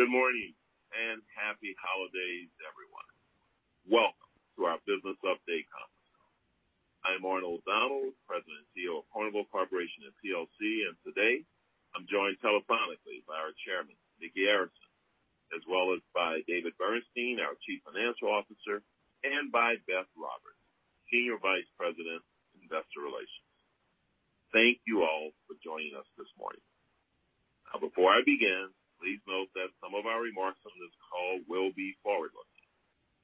Good morning and happy holidays, everyone. Welcome to our Business Update Conference Call. I'm Arnold Donald, President and CEO of Carnival Corporation & plc. Today, I'm joined telephonically by our Chairman, Micky Arison, as well as by David Bernstein, our Chief Financial Officer, and by Beth Roberts, Senior Vice President, Investor Relations. Thank you all for joining us this morning. Now, before I begin, please note that some of our remarks on this call will be forward-looking.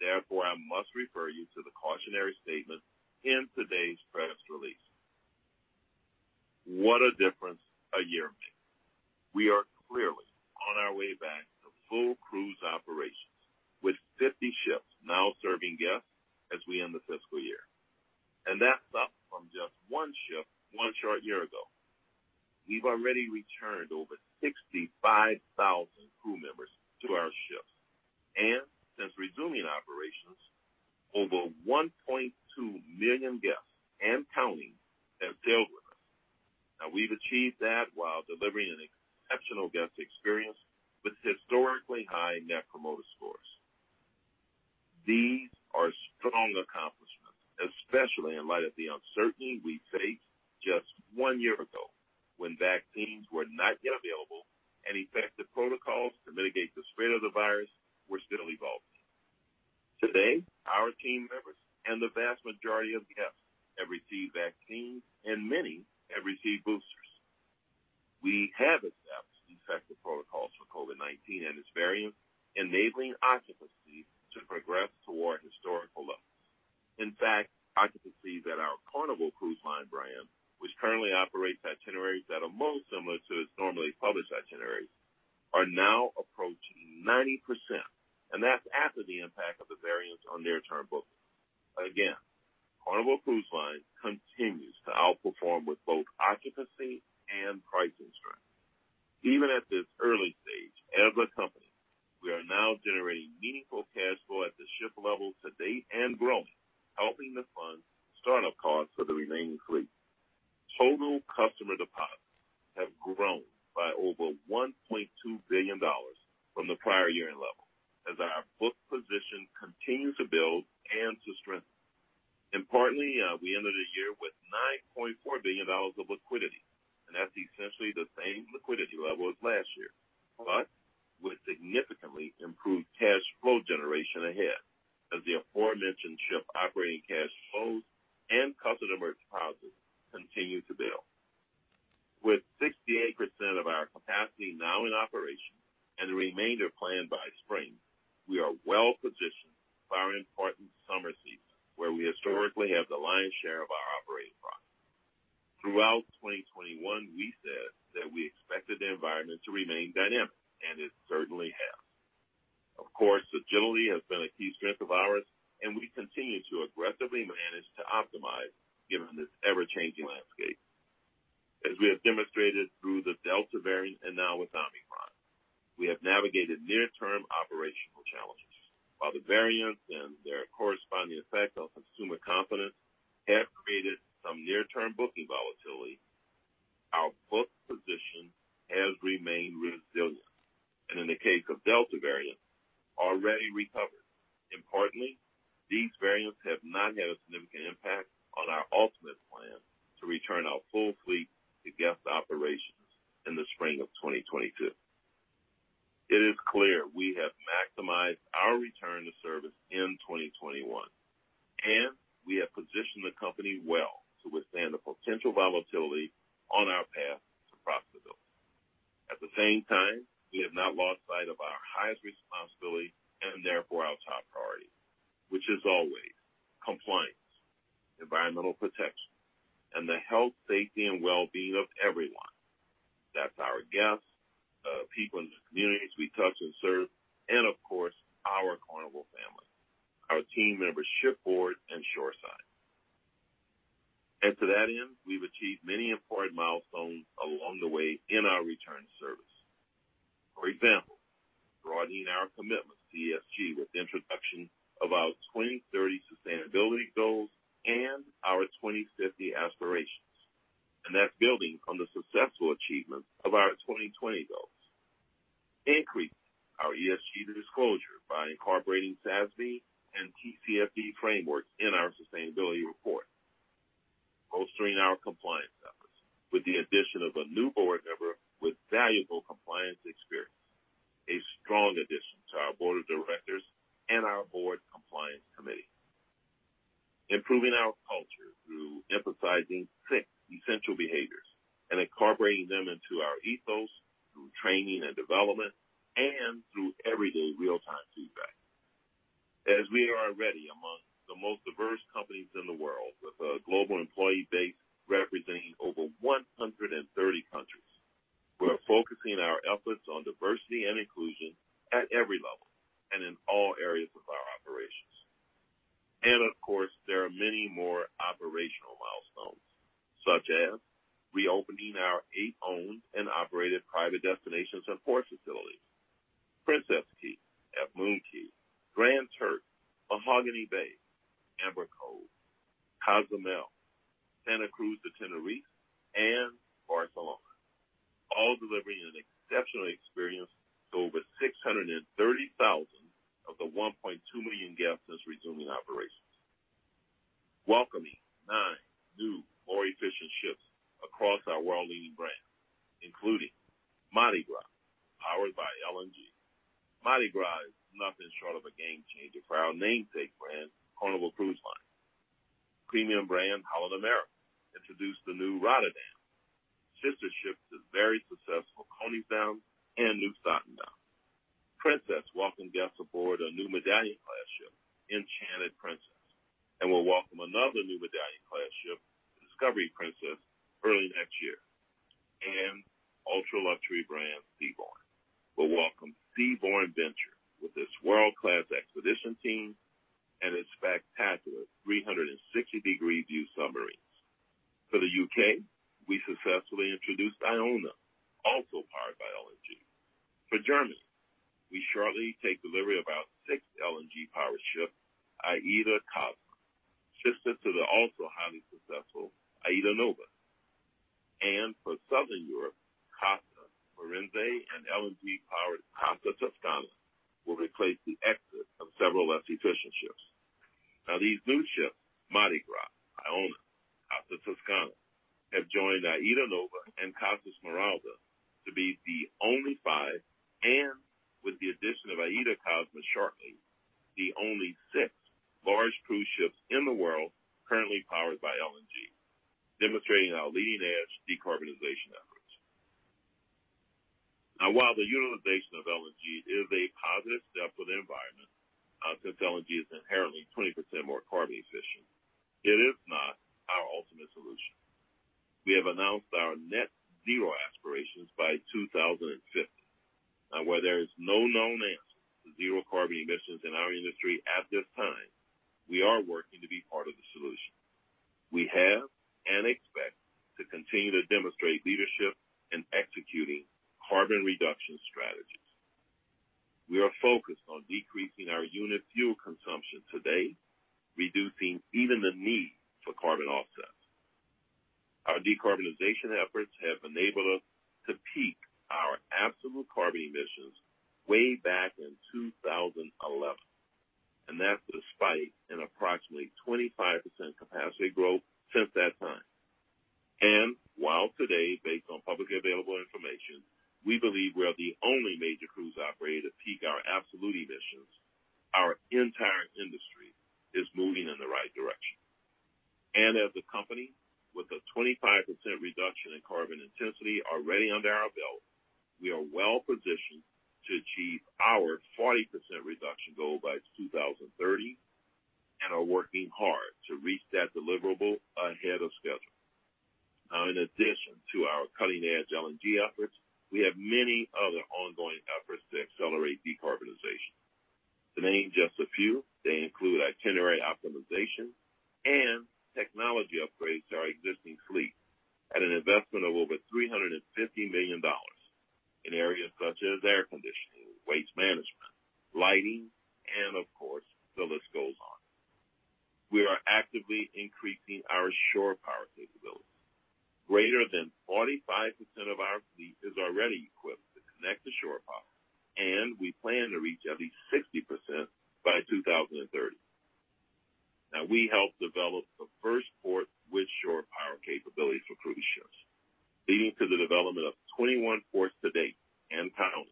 Therefore, I must refer you to the cautionary statement in today's press release. What a difference a year makes. We are clearly on our way back to full cruise operations, with 50 ships now serving guests as we end the fiscal year. That's up from just one ship one short year ago. We've already returned over 65,000 crew members to our ships. Since resuming operations, over 1.2 million guests and counting have sailed with us. Now, we've achieved that while delivering an exceptional guest experience with historically high Net Promoter Scores. These are strong accomplishments, especially in light of the uncertainty we faced just one year ago when vaccines were not yet available and effective protocols to mitigate the spread of the virus were still evolving. Today, our team members and the vast majority of guests have received vaccines, and many have received boosters. We have established effective protocols for COVID-19 and its variants, enabling occupancy to progress toward historical levels. In fact, occupancy at our Carnival Cruise Line brand, which currently operates itineraries that are most similar to its normally published itineraries, are now approaching 90%, and that's after the impact of the variants on near-term bookings. Again, Carnival Cruise Line continues to outperform with both occupancy and pricing strength. Even at this early stage as a company, we are now generating meaningful cash flow at the ship level to date and growing, helping to fund start-up costs for the remaining fleet. Total customer deposits have grown by over $1.2 billion from the prior year-end level as our booking position continues to build and to strengthen. Importantly, we ended the year with $9.4 billion of liquidity, and that's essentially the same liquidity level as last year. With significantly improved cash flow generation ahead as the aforementioned ship operating cash flows and customer deposits continue to build. With 68% of our capacity now in operation and the remainder planned by spring, we are well-positioned for our important summer season, where we historically have the lion's share of our operating profit. Throughout 2021, we said that we expected the environment to remain dynamic, and it certainly has. Of course, agility has been a key strength of ours, and we continue to aggressively manage to optimize given this ever-changing landscape. As we have demonstrated through the Delta\ variant and now with Omicron, we have navigated near-term operational challenges. While the variants and their corresponding effect on consumer confidence have created some near-term booking volatility, our book position has remained resilient, and in the case of Delta variant, already recovered. Importantly, these variants have not had a significant impact on our ultimate plan to return our full fleet to guest operations in the spring of 2022. It is clear we have maximized our return to service in 2021. We have positioned the company well to withstand the potential volatility on our path to profitability. At the same time, we have not lost sight of our highest responsibility and therefore our top priority, which is always compliance, environmental protection, and the health, safety, and well-being of everyone. That's our guests, people in the communities we touch and serve, and of course, our Carnival family, our team members shipboard and shoreside. To that end, we've achieved many important milestones along the way in our return to service. For example, broadening our commitment to ESG with the introduction of our 2030 sustainability goals and our 2050 aspirations, and that's building on the successful achievement of our 2020 goals. Increasing our ESG disclosure by incorporating SASB and TCFD frameworks in our sustainability report. Bolstering our compliance efforts with the addition of a new board member with valuable compliance experience, a strong addition to our board of directors and our board compliance committee. Improving our culture through emphasizing six essential behaviors and incorporating them into our ethos through training and development and through everyday real-time feedback. As we are already among the most diverse companies in the world, with a global employee base representing over 130 countries, we are focusing our efforts on diversity and inclusion at every level and in all areas of our operations. Of course, there are many more operational milestones, such as reopening our eight owned and operated private destinations and port facilities, Princess Cays, Half Moon Cay, Grand Turk, Mahogany Bay, Amber Cove, Cozumel, Santa Cruz de Tenerife, and Barcelona, all delivering an exceptional experience to over 630,000 of the 1.2 million guests since resuming operations. Welcoming nine new more efficient ships across our world-leading brand, including Mardi Gras, powered by LNG. Mardi Gras is nothing short of a game-changer for our namesake brand, Carnival Cruise Line. Premium brand Holland America Line introduced the new Rotterdam, sister ship to the very successful Koningsdam and Nieuw Statendam. Princess welcomed guests aboard a new MedallionClass ship, Enchanted Princess, and will welcome another new MedallionClass ship, Discovery Princess, early next year. Ultra-luxury brand Seabourn will welcome Seabourn Venture with its world-class expedition team and its spectacular 360-degree view submarines. For the U.K., we successfully introduced Iona, also powered by LNG. For Germany, we shortly take delivery of our sixth LNG-powered ship, AIDAcosma, sister to the also highly successful AIDAnova. For Southern Europe, Costa Firenze and LNG-powered Costa Toscana will replace the exit of several less efficient ships. Now, these new ships, Mardi Gras, Iona, Costa Toscana, have joined AIDAnova and Costa Smeralda to be the only five, and with the addition of AIDAcosma shortly, the only six large cruise ships in the world currently powered by LNG, demonstrating our leading-edge decarbonization efforts. Now, while the utilization of LNG is a positive step for the environment, since LNG is inherently 20% more carbon efficient, it is not our ultimate solution. We have announced our net zero aspirations by 2050. Now, where there is no known answer to zero carbon emissions in our industry at this time, we are working to be part of the solution. We have and expect to continue to demonstrate leadership in executing carbon reduction strategies. We are focused on decreasing our unit fuel consumption today, reducing even the need for carbon offsets. Our decarbonization efforts have enabled us to peak our absolute carbon emissions way back in 2011, and that's despite an approximately 25% capacity growth since that time. While today, based on publicly available information, we believe we are the only major cruise operator to peak our absolute emissions, our entire industry is moving in the right direction. As a company with a 25% reduction in carbon intensity already under our belt, we are well-positioned to achieve our 40% reduction goal by 2030 and are working hard to reach that deliverable ahead of schedule. Now, in addition to our cutting-edge LNG efforts, we have many other ongoing efforts to accelerate decarbonization. To name just a few, they include itinerary optimization and technology upgrades to our existing fleet at an investment of over $350 million in areas such as air conditioning, waste management, lighting, and of course, the list goes on. We are actively increasing our shore power capabilities. Greater than 45% of our fleet is already equipped to connect to shore power, and we plan to reach at least 60% by 2030. Now, we helped develop the first port with shore power capabilities for cruise ships, leading to the development of 21 ports to date and counting.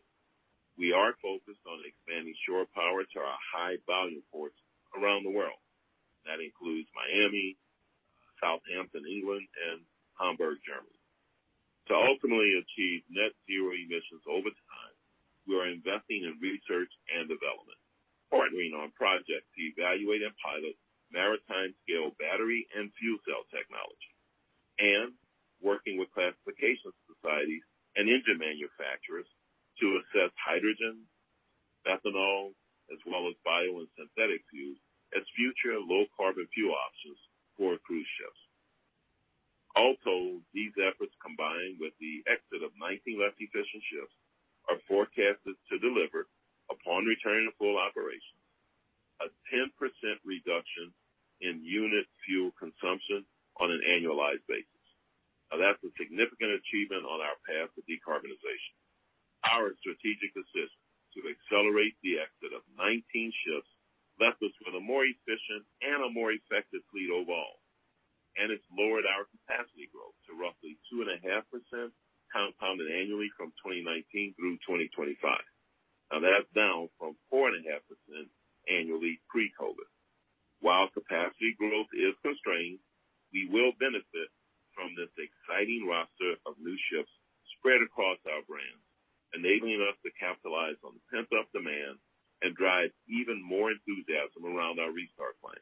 We are focused on expanding shore power to our high-volume ports around the world. That includes Miami, Southampton, England, and Hamburg, Germany. To ultimately achieve net zero emissions over time, we are investing in research and development, partnering on projects to evaluate and pilot maritime-scale battery and fuel cell technology, and working with classification societies and engine manufacturers to assess hydrogen, ethanol, as well as bio and synthetic fuels as future low-carbon fuel options for cruise ships. Also, these efforts, combined with the exit of 19 less efficient ships, are forecasted to deliver, upon returning to full operation, a 10% reduction in unit fuel consumption on an annualized basis. Now, that's a significant achievement on our path to decarbonization. Our strategic decision to accelerate the exit of 19 ships left us with a more efficient and a more effective fleet overall, and it's lowered our capacity growth to roughly 2.5% compounded annually from 2019 through 2025. Now that's down from 4.5% annually pre-COVID-19. While capacity growth is constrained, we will benefit from this exciting roster of new ships spread across our brands, enabling us to capitalize on pent-up demand and drive even more enthusiasm around our restart plan.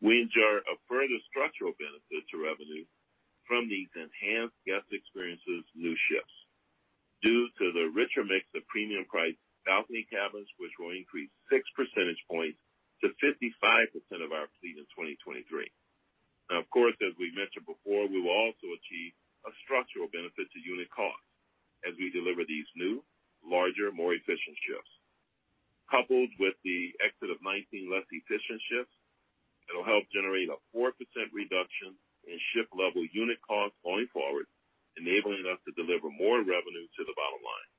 We enjoy a further structural benefit to revenue from these enhanced guest experiences, new ships due to the richer mix of premium-priced balcony cabins, which will increase 6 percentage points to 55% of our fleet in 2023. Of course, as we mentioned before, we will also achieve a structural benefit to unit costs as we deliver these new, larger, more efficient ships. Coupled with the exit of 19 less efficient ships, it will help generate a 4% reduction in ship-level unit costs going forward, enabling us to deliver more revenue to the bottom line.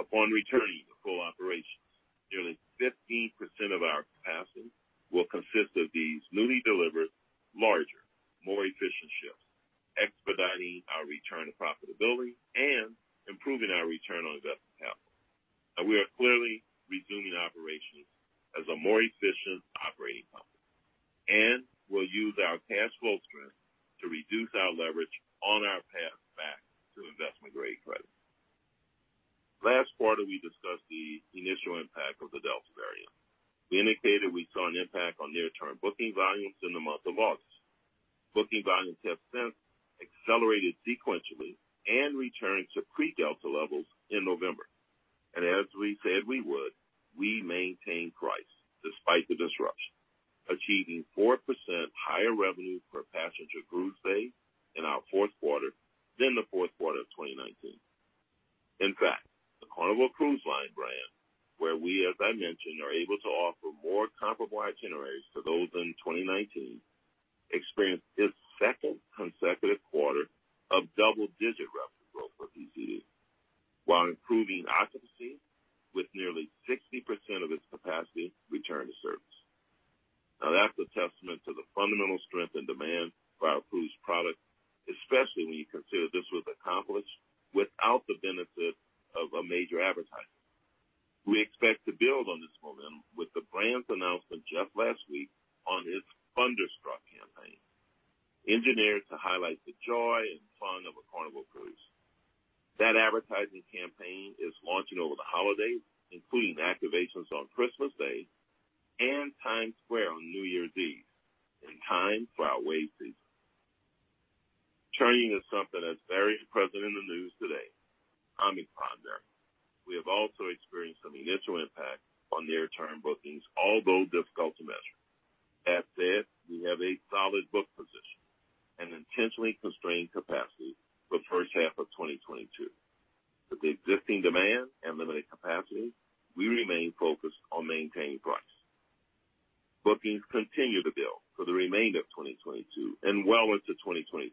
Upon returning to full operations, nearly 15% of our capacity will consist of these newly delivered, larger, more efficient ships, expediting our return to profitability and improving our return on invested capital. We are clearly resuming operations as a more efficient operating company. We'll use our cash flow strength to reduce our leverage on our path back to investment-grade credit. Last quarter, we discussed the initial impact of the Delta variant. We indicated we saw an impact on near-term booking volumes in the month of August. Booking volumes have since accelerated sequentially and returned to pre-Delta levels in November. As we said we would, we maintained price despite the disruption, achieving 4% higher revenue per passenger cruise day in our Q4 than the Q4 of 2019. In fact, the Carnival Cruise Line brand, where we, as I mentioned, are able to offer more comparable itineraries to those in 2019, experienced its second consecutive quarter of double-digit revenue growth for PCD, while improving occupancy with nearly 60% of its capacity return to service. Now that's a testament to the fundamental strength and demand for our cruise product, especially when you consider this was accomplished without the benefit of a major advertisement. We expect to build on this momentum with the brand's announcement just last week on its Funderstruck campaign, engineered to highlight the joy and fun of a Carnival Cruise. That advertising campaign is launching over the holidays, including activations on Christmas Day and Times Square on New Year's Eve in time for our Wave season. Turning to something that's very present in the news today, the Omicron variant. We have also experienced some initial impact on near-term bookings, although it's difficult to measure. That said, we have a solid book position and intentionally constrained capacity for the first half of 2022. With the existing demand and limited capacity, we remain focused on maintaining price. Bookings continue to build for the remainder of 2022 and well into 2023,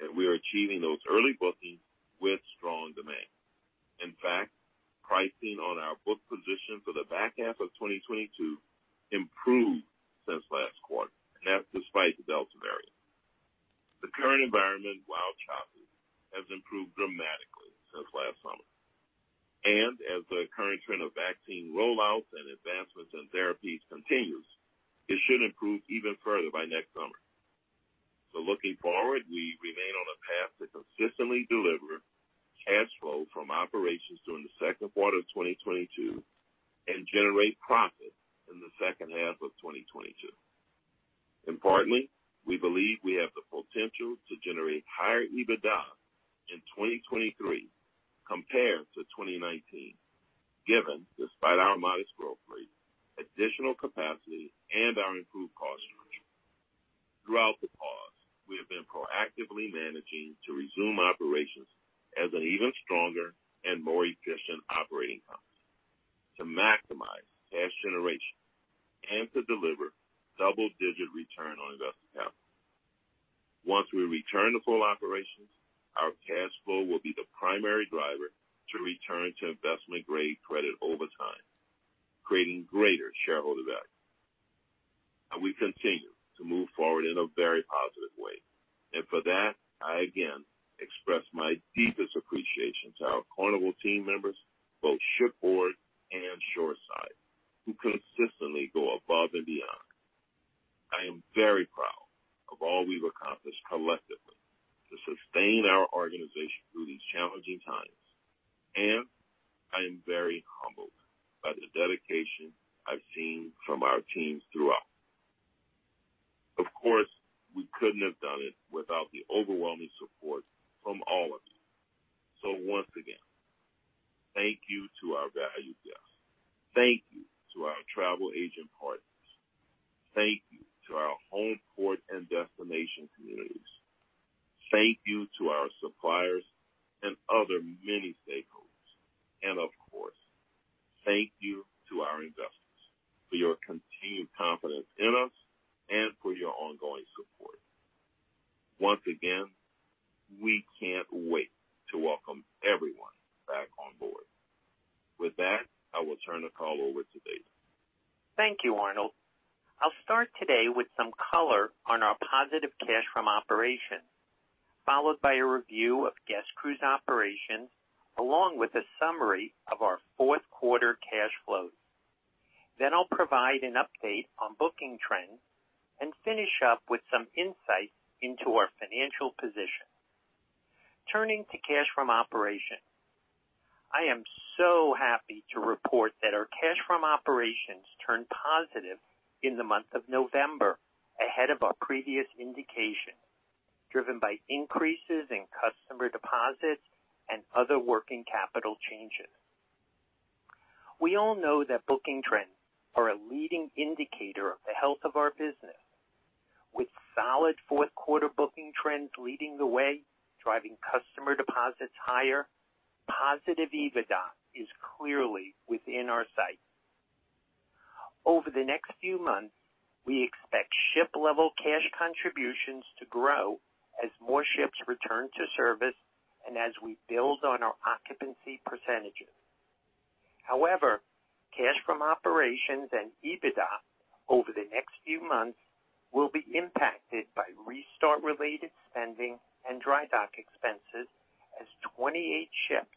and we are achieving those early bookings with strong demand. In fact, pricing on our booked position for the back half of 2022 improved since last quarter, and that's despite the Delta variant. The current environment, while choppy, has improved dramatically since last summer. As the current trend of vaccine rollouts and advancements in therapies continues, it should improve even further by next summer. Looking forward, we remain on a path to consistently deliver cash flow from operations during the Q2 of 2022 and generate profit in the second half of 2022. Importantly, we believe we have the potential to generate higher EBITDA in 2023 compared to 2019, given despite our modest growth rate, additional capacity and our improved cost structure. Throughout the pause, we have been proactively managing to resume operations as an even stronger and more efficient operating company to maximize cash generation and to deliver double-digit return on invested capital. Once we return to full operations, our cash flow will be the primary driver to return to investment-grade credit over time, creating greater shareholder value. We continue to move forward in a very positive way. For that, I again express my deepest appreciation to our Carnival team members, both shipboard and shoreside, who consistently go above and beyond. I am very proud of all we've accomplished collectively to sustain our organization through these challenging times, and I am very humbled by the dedication I've seen from our teams throughout. Of course, we couldn't have done it without the overwhelming support from all of you. Once again, thank you to our valued guests. Thank you to our travel agent partners. Thank you to our home port and destination communities. Thank you to our suppliers and other many stakeholders. Of course, thank you to our investors for your continued confidence in us and for your ongoing support. Once again, we can't wait to welcome everyone back on board. With that, I will turn the call over to David. Thank you, Arnold. I'll start today with some color on our positive cash from operations, followed by a review of guest cruise operations, along with a summary of our Q4 cash flows. Then I'll provide an update on booking trends and finish up with some insight into our financial position. Turning to cash from operations. I am so happy to report that our cash from operations turned positive in the month of November, ahead of our previous indication, driven by increases in customer deposits and other working capital changes. We all know that booking trends are a leading indicator of the health of our business. With solid Q4 booking trends leading the way, driving customer deposits higher, positive EBITDA is clearly within our sight. Over the next few months, we expect ship-level cash contributions to grow as more ships return to service and as we build on our occupancy percentages. However, cash from operations and EBITDA over the next few months will be impacted by restart-related spending and dry dock expenses as 28 ships,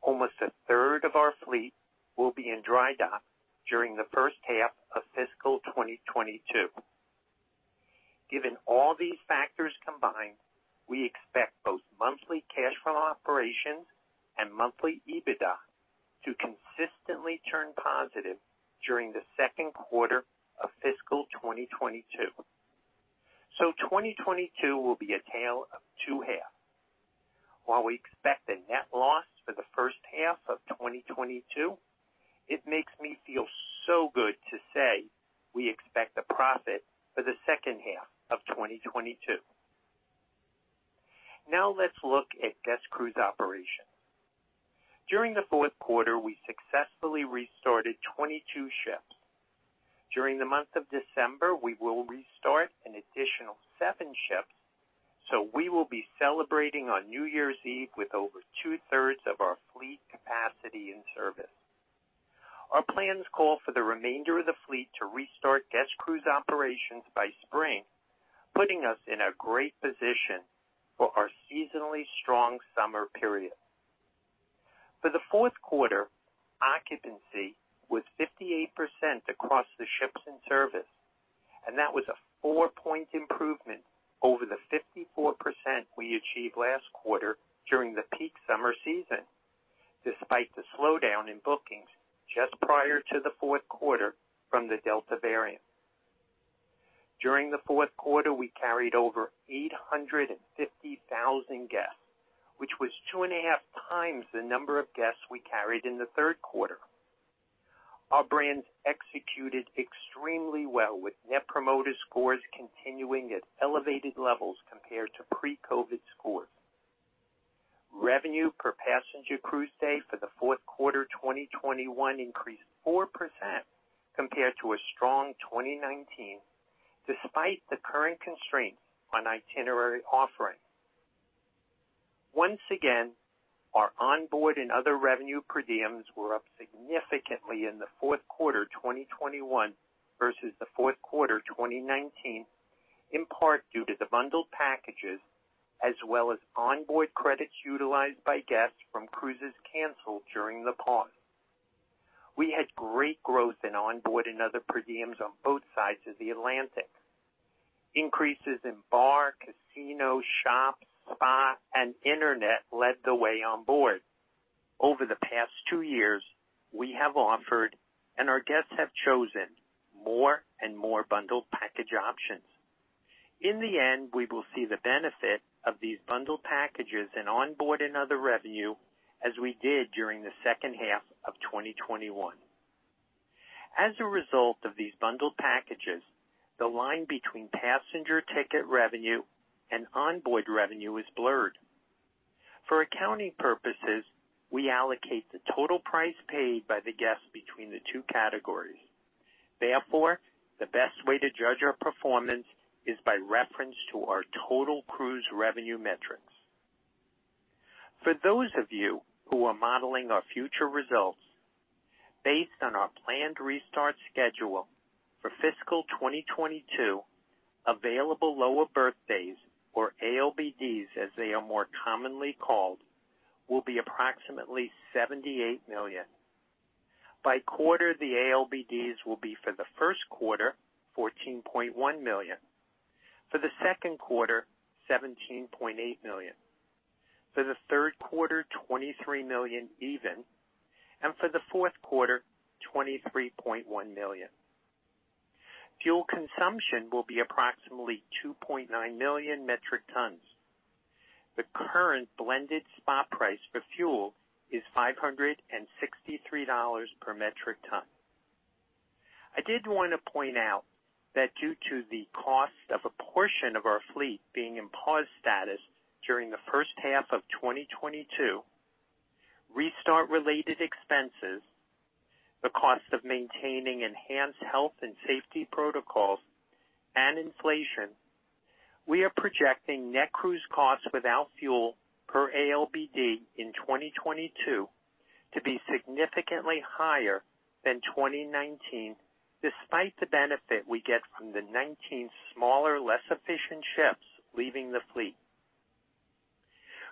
almost a third of our fleet, will be in dry dock during the first half of fiscal 2022. Given all these factors combined, we expect both monthly cash from operations and monthly EBITDA to consistently turn positive during the Q2 of fiscal 2022. 2022 will be a tale of two halves. While we expect a net loss for the first half of 2022, it makes me feel so good to say we expect a profit for the second half of 2022. Now let's look at guest cruise operations. During the Q4, we successfully restarted 22 ships. During the month of December, we will restart an additional seven ships, so we will be celebrating on New Year's Eve with over two-thirds of our fleet capacity in service. Our plans call for the remainder of the fleet to restart guest cruise operations by spring, putting us in a great position for our seasonally strong summer period. For the Q4, occupancy was 58% across the ships in service, and that was a four-point improvement over the 54% we achieved last quarter during the peak summer season, despite the slowdown in bookings just prior to the Q4 from the Delta variant. During the Q4, we carried over 850,000 guests, which was 2.5x the number of guests we carried in the Q3. Our brands executed extremely well with Net Promoter Scores continuing at elevated levels compared to pre-COVID scores. Revenue per passenger cruise day for the Q4 2021 increased 4% compared to a strong 2019, despite the current constraints on itinerary offerings. Once again, our onboard and other revenue per diems were up significantly in the Q4 2021 versus the Q4 2019, in part due to the bundled packages as well as onboard credits utilized by guests from cruises canceled during the pause. We had great growth in onboard and other per diems on both sides of the Atlantic. Increases in bar, casino, shop, spa, and internet led the way on board. Over the past two years, we have offered, and our guests have chosen more and more bundled package options. In the end, we will see the benefit of these bundled packages in onboard and other revenue as we did during the second half of 2021. As a result of these bundled packages, the line between passenger ticket revenue and onboard revenue is blurred. For accounting purposes, we allocate the total price paid by the guests between the two categories. Therefore, the best way to judge our performance is by reference to our total cruise revenue metrics. For those of you who are modeling our future results based on our planned restart schedule for fiscal 2022, available lower berth days, or ALBDs, as they are more commonly called, will be approximately $78 million. By quarter, the ALBDs will be for the Q1, $14.1 million. For the Q2, $17.8 million. For the Q3, $23 million even. For the Q4, $23.1 million. Fuel consumption will be approximately 2.9 million metric tons. The current blended spot price for fuel is $563 per metric ton. I did wanna point out that due to the cost of a portion of our fleet being in pause status during the first half of 2022, restart-related expenses, the cost of maintaining enhanced health and safety protocols, and inflation, we are projecting net cruise costs without fuel per ALBD in 2022 to be significantly higher than 2019, despite the benefit we get from the 19 smaller, less efficient ships leaving the fleet.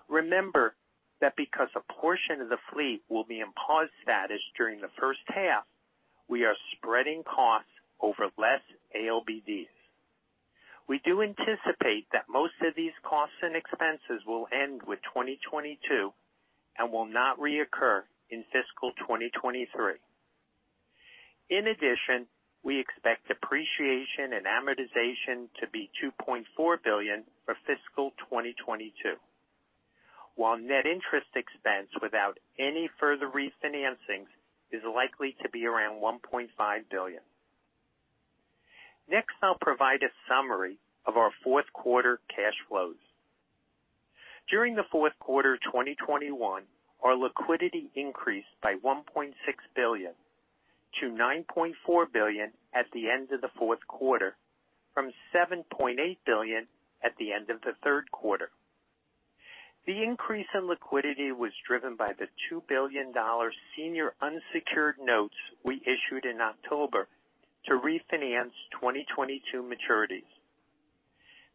Remember that because a portion of the fleet will be in pause status during the first half, we are spreading costs over less ALBDs. We do anticipate that most of these costs and expenses will end with 2022 and will not reoccur in fiscal 2023. In addition, we expect depreciation and amortization to be $2.4 billion for fiscal 2022. While net interest expense without any further refinancings is likely to be around $1.5 billion. Next, I'll provide a summary of our Q4 cash flows. During the Q4 of 2021, our liquidity increased by $1.6 billion-$9.4 billion at the end of the Q4 from $7.8 billion at the end of the Q3. The increase in liquidity was driven by the $2 billion senior unsecured notes we issued in October to refinance 2022 maturities.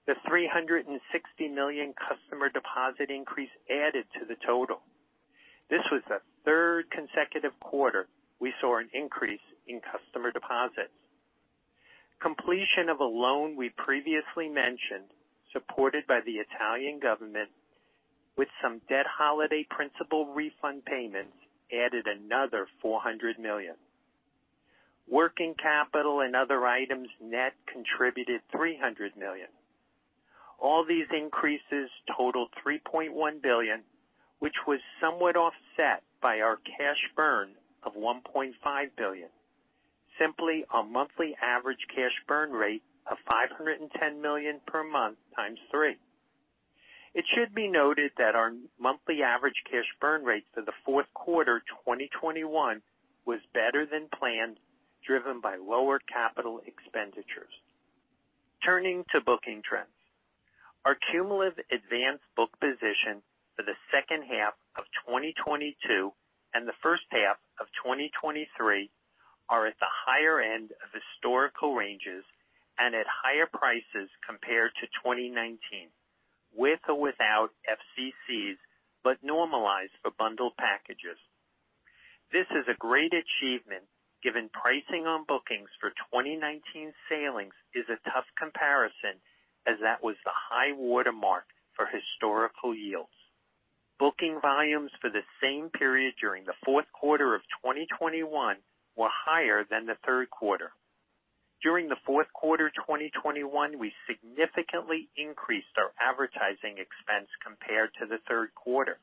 The $360 million customer deposit increase added to the total. This was the third consecutive quarter we saw an increase in customer deposits. Completion of a loan we previously mentioned, supported by the Italian government with some debt holiday principal refund payments, added another $400 million. Working capital and other items net contributed $300 million. All these increases totaled $3.1 billion, which was somewhat offset by our cash burn of $1.5 billion. Simply our monthly average cash burn rate of $510 million per month times three. It should be noted that our monthly average cash burn rate for the Q4 2021 was better than planned, driven by lower capital expenditures. Turning to booking trends. Our cumulative advanced book position for the second half of 2022 and the first half of 2023 are at the higher end of historical ranges and at higher prices compared to 2019, with or without FCCs, but normalized for bundled packages. This is a great achievement given pricing on bookings for 2019 sailings is a tough comparison as that was the high watermark for historical yields. Booking volumes for the same period during the Q4 of 2021 were higher than the Q3. During the Q4 of 2021, we significantly increased our advertising expense compared to the Q3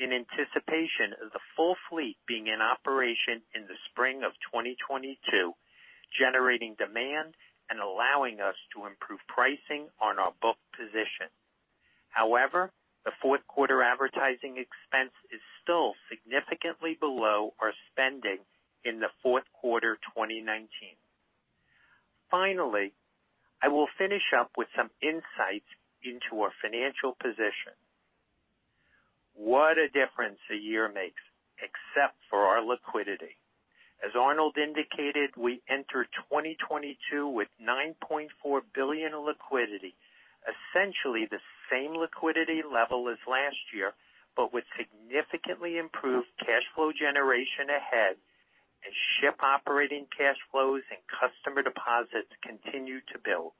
in anticipation of the full fleet being in operation in the spring of 2022, generating demand and allowing us to improve pricing on our book position. However, the Q4 advertising expense is still significantly below our spending in the Q4, 2019. Finally, I will finish up with some insights into our financial position. What a difference a year makes, except for our liquidity. As Arnold indicated, we enter 2022 with $9.4 billion liquidity, essentially the same liquidity level as last year, but with significantly improved cash flow generation ahead as ship operating cash flows and customer deposits continue to build.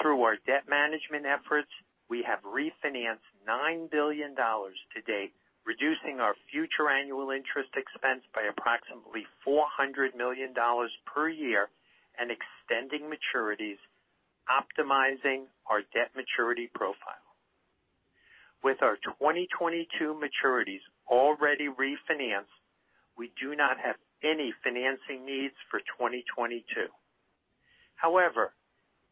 Through our debt management efforts, we have refinanced $9 billion to date, reducing our future annual interest expense by approximately $400 million per year and extending maturities, optimizing our debt maturity profile. With our 2022 maturities already refinanced, we do not have any financing needs for 2022. However,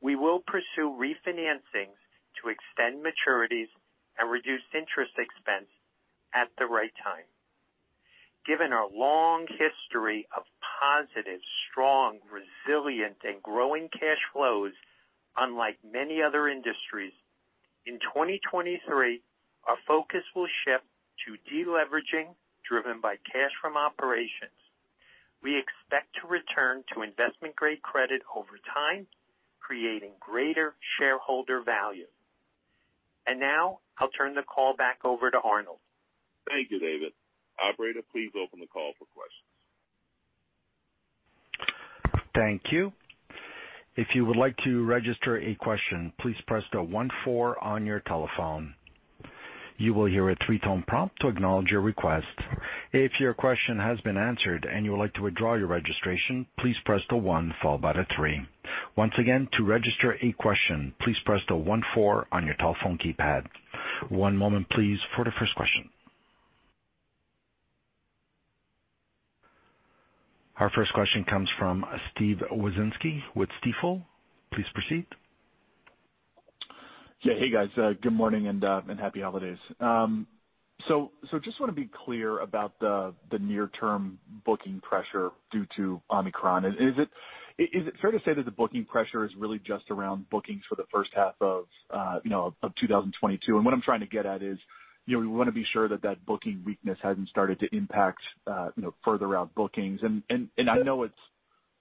we will pursue refinancing to extend maturities and reduce interest expense at the right time. Given our long history of positive, strong, resilient, and growing cash flows, unlike many other industries, in 2023, our focus will shift to deleveraging, driven by cash from operations. We expect to return to investment-grade credit over time, creating greater shareholder value. Now I'll turn the call back over to Arnold. Thank you, David. Operator, please open the call for questions. Thank you. If you would like to register a question, please press the one four on your telephone. You will hear a three-tone prompt to acknowledge your request. If your question has been answered and you would like to withdraw your registration, please press the one followed by the three. Once again, to register a question, please press the one four on your telephone keypad. One moment, please, for the first question. Our first question comes from Steve Wieczynski with Stifel. Please proceed. Yeah. Hey, guys. Good morning and happy holidays. So just wanna be clear about the near-term booking pressure due to Omicron. Is it fair to say that the booking pressure is really just around bookings for the first half of, you know, 2022? What I'm trying to get at is, you know, we wanna be sure that that booking weakness hasn't started to impact, you know, further out bookings. I know it's,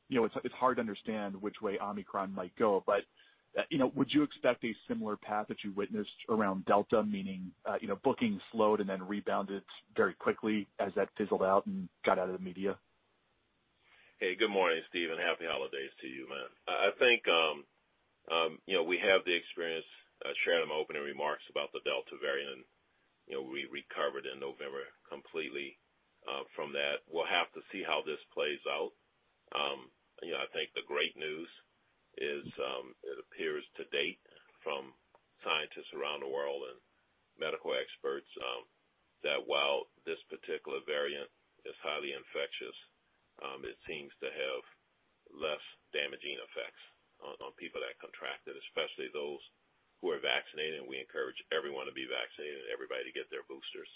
you know, it's hard to understand which way Omicron might go, but, you know, would you expect a similar path that you witnessed around Delta, meaning, you know, bookings slowed and then rebounded very quickly as that fizzled out and got out of the media? Hey, good morning, Steve, and happy holidays to you, man. I think, you know, we have the experience shared in my opening remarks about the Delta variant. You know, we recovered in November completely from that. We'll have to see how this plays out. You know, I think the great news is, it appears, to date, from scientists around the world and medical experts, that while this particular variant is highly infectious, it seems to have less damaging effects on people that contract it, especially those who are vaccinated, and we encourage everyone to be vaccinated and everybody to get their boosters.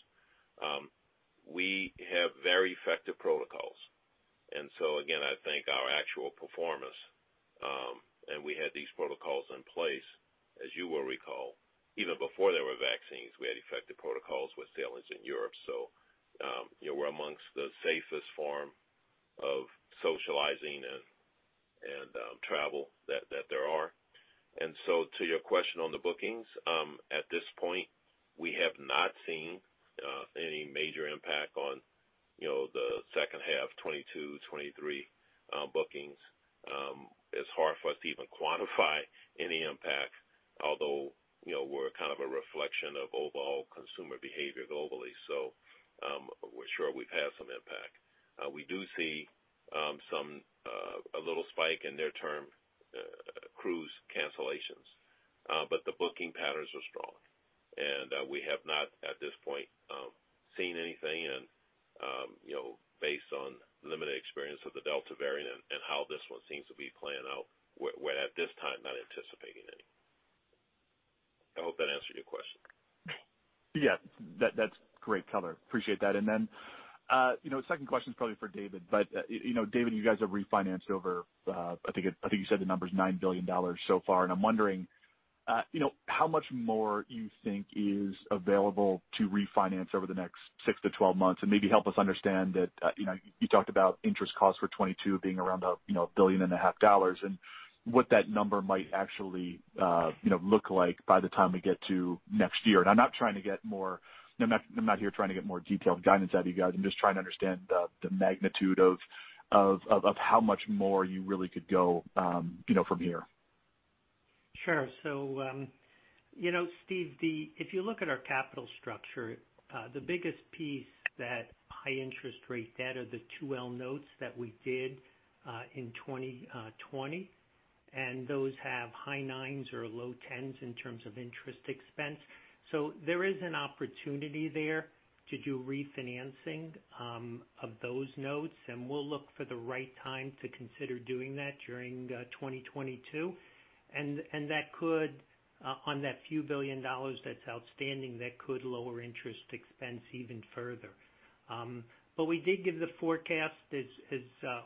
We have very effective protocols. Again, I think our actual performance, and we had these protocols in place, as you will recall, even before there were vaccines, we had effective protocols with sailings in Europe. You know, we're amongst the safest form of socializing and travel that there are. To your question on the bookings, at this point, we have not seen any major impact on, you know, the second half 2022, 2023 bookings. It's hard for us to even quantify any impact, although, you know, we're kind of a reflection of overall consumer behavior globally. We're sure we've had some impact. We do see some a little spike in near-term cruise cancellations, but the booking patterns are strong. We have not at this point seen anything, you know, based on limited experience of the Delta variant and how this one seems to be playing out, we're at this time not anticipating any. I hope that answered your question. Yeah. That's great color. Appreciate that. Then, you know, second question is probably for David. You know, David, you guys have refinanced over, I think you said the number is $9 billion so far, and I'm wondering, you know, how much more you think is available to refinance over the next six to 12 months, and maybe help us understand that, you know, you talked about interest costs for 2022 being around, you know, $1.5 billion, and what that number might actually, you know, look like by the time we get to next year. I'm not here trying to get more detailed guidance out of you guys. I'm just trying to understand the magnitude of how much more you really could go, you know, from here. Sure. You know, Steve, if you look at our capital structure, the biggest piece that high interest rate debt are the 2L notes that we did in 2020, and those have high nines or low tens in terms of interest expense. There is an opportunity there to do refinancing of those notes, and we'll look for the right time to consider doing that during 2022. That could, on that few billion dollars that's outstanding, lower interest expense even further. We did give the forecast as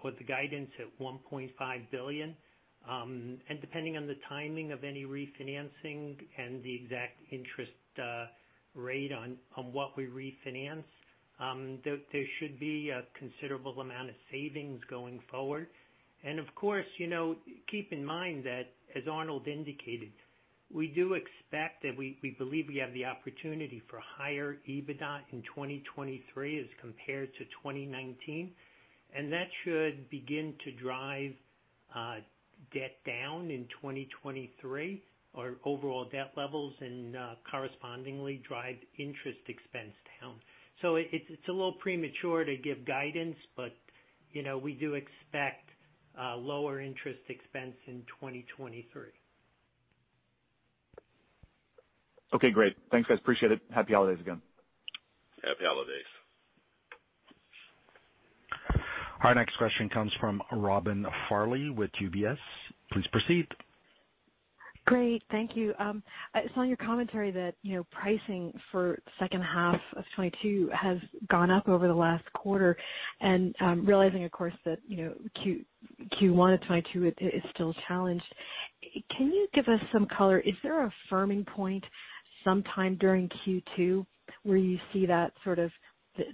or the guidance at $1.5 billion, and depending on the timing of any refinancing and the exact interest rate on what we refinance, there should be a considerable amount of savings going forward. Of course, you know, keep in mind that, as Arnold indicated, we do expect and we believe we have the opportunity for higher EBITDA in 2023 as compared to 2019, and that should begin to drive debt down in 2023 or overall debt levels and correspondingly drive interest expense down. It's a little premature to give guidance, but you know, we do expect lower interest expense in 2023. Okay, great. Thanks, guys. Appreciate it. Happy holidays again. Happy holidays. Our next question comes from Robin Farley with UBS. Please proceed. Great. Thank you. I saw in your commentary that, you know, pricing for second half of 2022 has gone up over the last quarter. Realizing of course that, you know, Q1 of 2022 is still challenged, can you give us some color? Is there a firming point sometime during Q2 where you see that sort of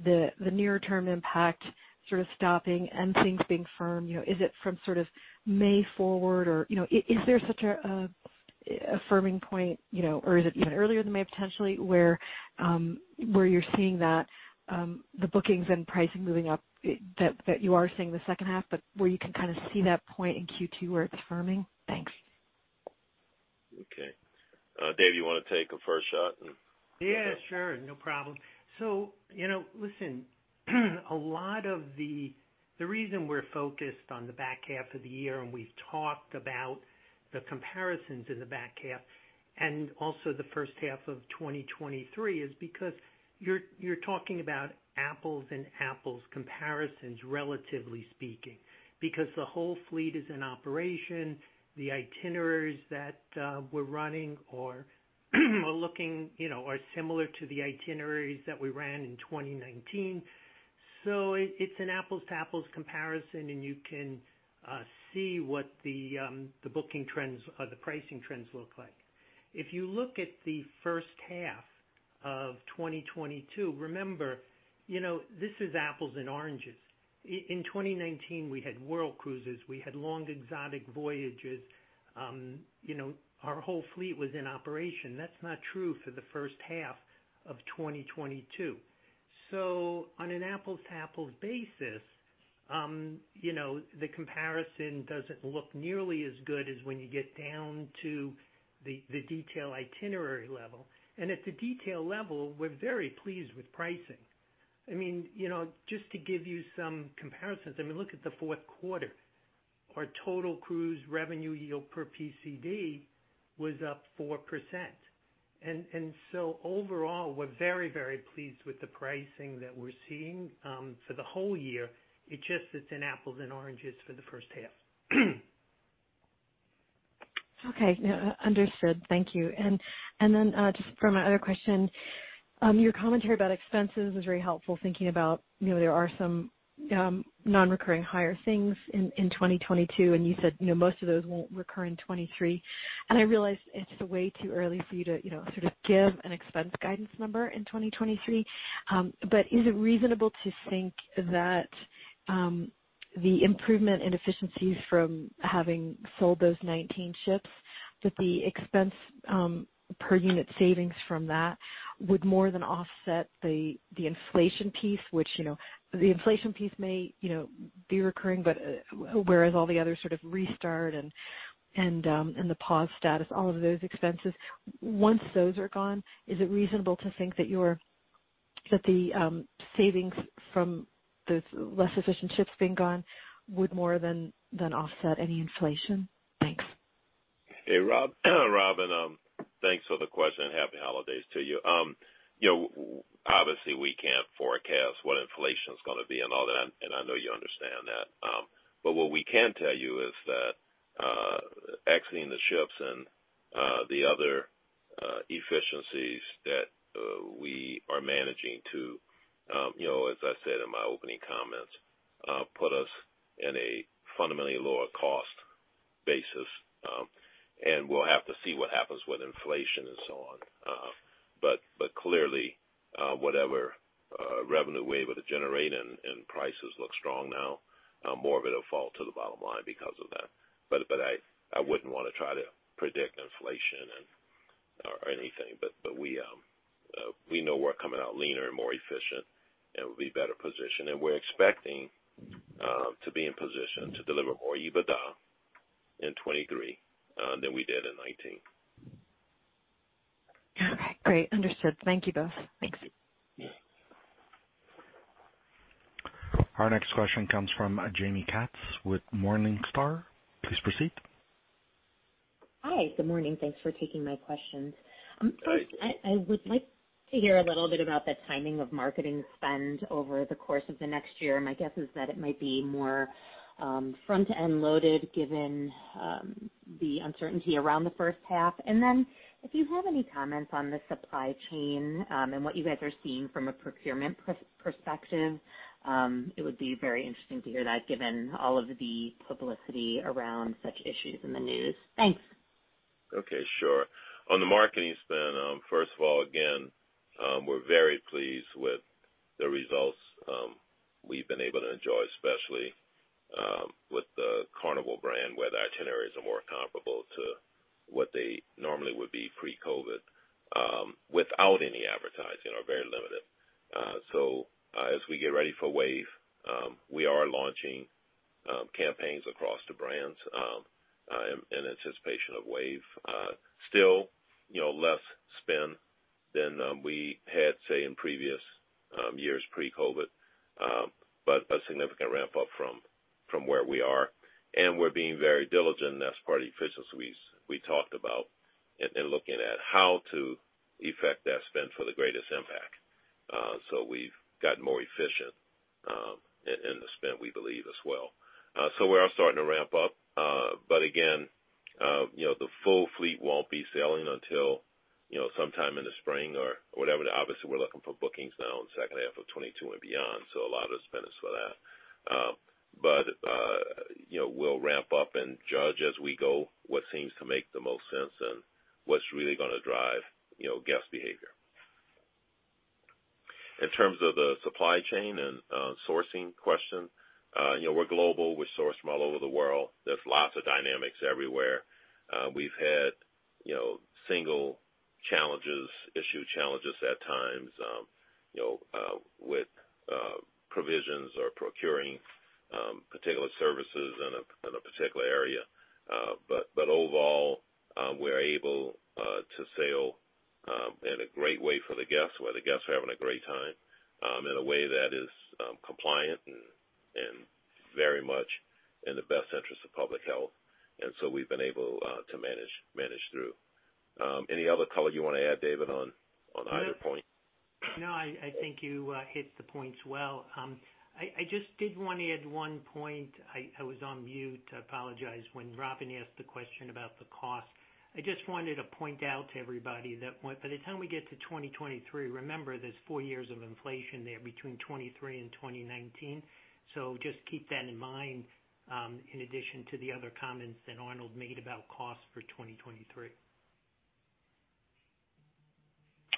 the nearer term impact sort of stopping and things being firm? You know, is it from sort of May forward or, you know, is there such a firming point, you know, or is it even earlier than May potentially, where you're seeing that the bookings and pricing moving up that you are seeing the second half, but where you can kind of see that point in Q2 where it's firming? Thanks. Okay. Dave, you wanna take a first shot and- Yeah, sure. No problem. You know, listen, a lot of the reason we're focused on the back half of the year, and we've talked about the comparisons in the back half and also the first half of 2023, is because you're talking about apples and apples comparisons, relatively speaking. Because the whole fleet is in operation, the itineraries that we're running or are looking, you know, are similar to the itineraries that we ran in 2019. It's an apples-to-apples comparison, and you can see what the booking trends or the pricing trends look like. If you look at the first half of 2022, remember, you know, this is apples and oranges. In 2019, we had world cruises, we had long exotic voyages. You know, our whole fleet was in operation. That's not true for the first half of 2022. On an apples to apples basis, you know, the comparison doesn't look nearly as good as when you get down to the detail itinerary level. At the detail level, we're very pleased with pricing. I mean, you know, just to give you some comparisons, I mean, look at the Q4. Our total cruise revenue yield per PCD was up 4%. And so overall, we're very, very pleased with the pricing that we're seeing for the whole year. It's just an apples and oranges for the first half. Okay. Yeah, understood. Thank you. Just for my other question, your commentary about expenses was very helpful thinking about, you know, there are some non-recurring higher things in 2022, and you said, you know, most of those won't recur in 2023. I realize it's way too early for you to, you know, sort of give an expense guidance number in 2023. But is it reasonable to think that the improvement in efficiencies from having sold those 19 ships, that the expense per unit savings from that would more than offset the inflation piece? Which, you know, the inflation piece may, you know, be recurring, but whereas all the other sort of restart and the pause status, all of those expenses. Once those are gone, is it reasonable to think that the savings from those less efficient ships being gone would more than offset any inflation? Thanks. Hey, Robin. Thanks for the question, and happy holidays to you. You know, obviously we can't forecast what inflation's gonna be and all that, and I know you understand that. What we can tell you is that exiting the ships and the other efficiencies that we are managing to, you know, as I said in my opening comments, put us in a fundamentally lower cost basis. We'll have to see what happens with inflation and so on. Clearly, whatever revenue we're able to generate, and prices look strong now, more of it'll fall to the bottom line because of that. I wouldn't wanna try to predict inflation or anything. We know we're coming out leaner and more efficient, and we'll be better positioned. We're expecting to be in position to deliver more EBITDA in 2023 than we did in 2019. Okay. Great. Understood. Thank you both. Thanks. Yeah. Our next question comes from Jaime Katz with Morningstar. Please proceed. Hi, good morning. Thanks for taking my questions. Hi. First, I would like to hear a little bit about the timing of marketing spend over the course of the next year, and my guess is that it might be more front-end loaded given the uncertainty around the first half. If you have any comments on the supply chain and what you guys are seeing from a procurement perspective, it would be very interesting to hear that given all of the publicity around such issues in the news. Thanks. Okay. Sure. On the marketing spend, first of all, again, we're very pleased with the results we've been able to enjoy, especially with the Carnival brand, where the itineraries are more comparable to what they normally would be pre-COVID, without any advertising or very limited. As we get ready for Wave, we are launching campaigns across the brands in anticipation of Wave. Still, you know, less spend than we had, say, in previous years pre-COVID, but a significant ramp up from where we are. We're being very diligent, and that's part efficiency we talked about in looking at how to effect that spend for the greatest impact. We've gotten more efficient in the spend we believe as well. We are starting to ramp up. Again, you know, the full fleet won't be sailing until, you know, sometime in the spring or whatever. Obviously, we're looking for bookings now in the second half of 2022 and beyond, so a lot of the spend is for that. You know, we'll ramp up and judge as we go what seems to make the most sense and what's really gonna drive, you know, guest behavior. In terms of the supply chain and sourcing question, you know, we're global. We source from all over the world. There's lots of dynamics everywhere. We've had, you know, single challenges, issue challenges at times, you know, with provisions or procuring particular services in a particular area. Overall, we're able to sail in a great way for the guests, where the guests are having a great time in a way that is compliant and very much in the best interest of public health. We've been able to manage through. Any other color you wanna add, David, on either point? No, I think you hit the points well. I just did wanna add one point. I was on mute, I apologize. When Robin asked the question about the cost, I just wanted to point out to everybody that by the time we get to 2023, remember, there's four years of inflation there between 2023 and 2019. So just keep that in mind, in addition to the other comments that Arnold made about cost for 2023.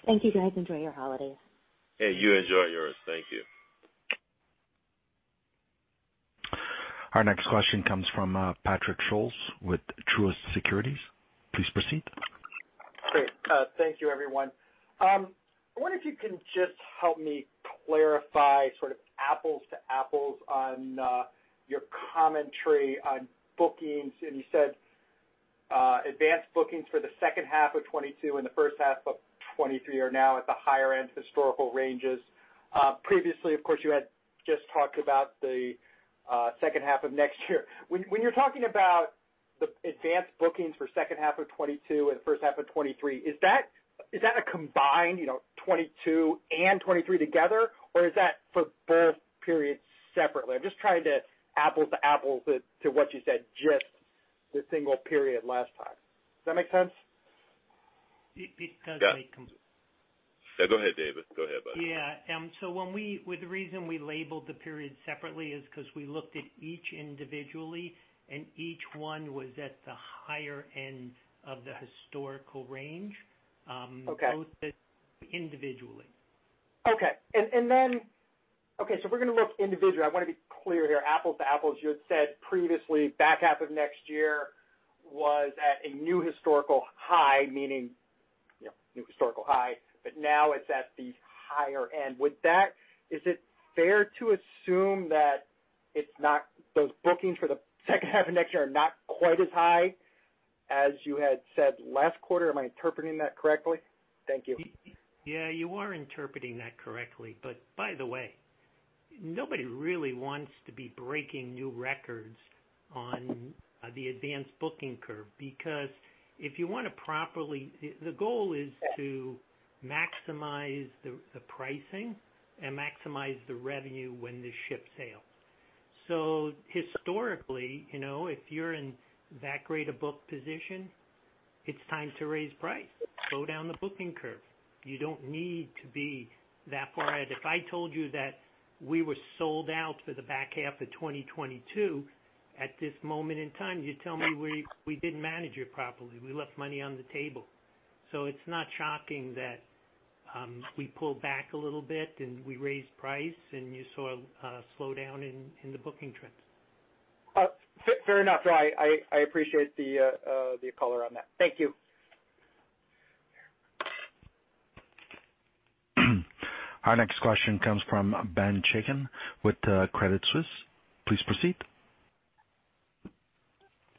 Thank you, guys. Enjoy your holidays. Yeah, you enjoy yours. Thank you. Our next question comes from, Patrick Scholes with Truist Securities. Please proceed. Great. Thank you, everyone. I wonder if you can just help me clarify sort of apples to apples on your commentary on bookings. You said, advanced bookings for the second half of 2022 and the first half of 2023 are now at the higher end historical ranges. Previously, of course, you had just talked about the second half of next year. When you're talking about the advanced bookings for second half of 2022 and the first half of 2023, is that a combined, you know, 2022 and 2023 together? Or is that for both periods separately? I'm just trying to apples to apples with what you said just the single period last time. Does that make sense? It does make. Yeah. Com- No, go ahead, David. Go ahead, bud. Yeah. Well, the reason we labeled the period separately is 'cause we looked at each individually, and each one was at the higher end of the historical range. Okay Both individually. We're gonna look individually. I wanna be clear here, apples to apples. You had said previously back half of next year was at a new historical high, meaning, you know, new historical high, but now it's at the higher end. Is it fair to assume that those bookings for the second half of next year are not quite as high as you had said last quarter? Am I interpreting that correctly? Thank you. Yeah, you are interpreting that correctly. By the way, nobody really wants to be breaking new records on the advanced booking curve. Because if you wanna properly, the goal is to maximize the pricing and maximize the revenue when the ship sails. Historically, you know, if you're in that great a book position, it's time to raise price, slow down the booking curve. You don't need to be that far ahead. If I told you that we were sold out for the back half of 2022, at this moment in time, you'd tell me we didn't manage it properly, we left money on the table. It's not shocking that we pulled back a little bit and we raised price, and you saw a slowdown in the booking trends. Fair enough. No, I appreciate the color on that. Thank you. Our next question comes from Ben Chaiken with Credit Suisse. Please proceed.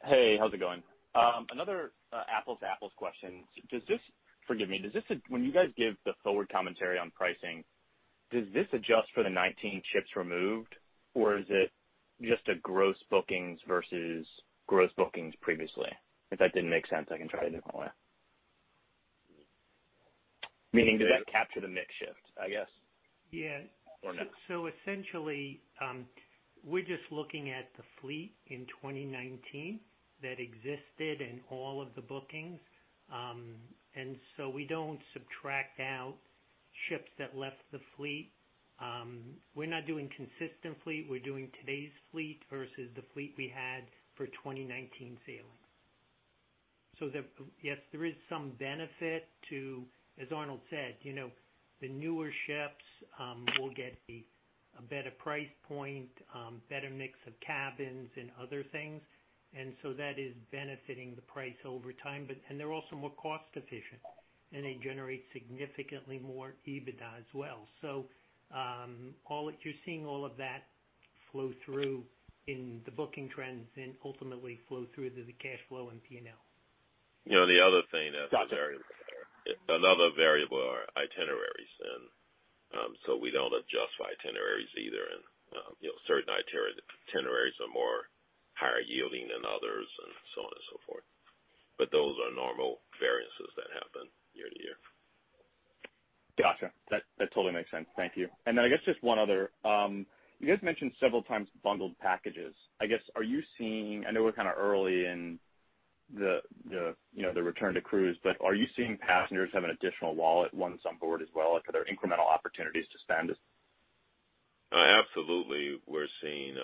Hey, how's it going? Another apples to apples question. Forgive me. When you guys give the forward commentary on pricing, does this adjust for the 19 ships removed, or is it just a gross bookings versus gross bookings previously? If that didn't make sense, I can try a different way. Meaning, does that capture the mix shift, I guess? Yeah. No? Essentially, we're just looking at the fleet in 2019 that existed in all of the bookings. We don't subtract out ships that left the fleet. We're not doing consistent fleet. We're doing today's fleet versus the fleet we had for 2019 sailings. Yes, there is some benefit to, as Arnold said, you know, the newer ships will get a better price point, better mix of cabins and other things. That is benefiting the price over time. They're also more cost efficient, and they generate significantly more EBITDA as well. All you're seeing all of that flow through in the booking trends and ultimately flow through to the cash flow and P&L. You know, the other thing that's very- Gotcha. Another variable are itineraries. We don't adjust for itineraries either. You know, certain itineraries are more higher yielding than others and so on and so forth. Those are normal variances that happen year to year. Gotcha. That totally makes sense. Thank you. I guess just one other. You guys mentioned several times bundled packages. I guess, are you seeing? I know we're kinda early in the you know, the return to cruise, but are you seeing passengers have an additional wallet once on board as well? Like, are there incremental opportunities to spend? Absolutely, we're seeing